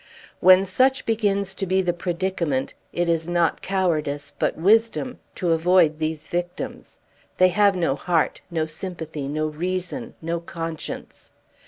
When such begins to be the predicament, it is not cowardice, but wisdom, to avoid these victims. They have no heart, no sympathy, no reason, no conscience.